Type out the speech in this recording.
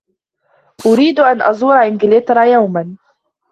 أريد أن أزور إنجلترا يوما.